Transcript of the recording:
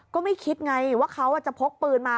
ก็ไม่คิดไงว่าเขาจะพกปืนมา